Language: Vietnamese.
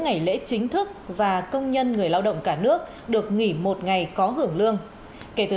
ngày lễ chính thức và công nhân người lao động cả nước được nghỉ một ngày có hưởng lương kể từ